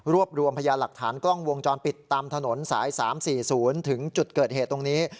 รวมรวมพยานหลักฐานกล้องวงจรปิดตามถนนสาย๓๔๐ถึงจุดเกิดเหตุตรงนี้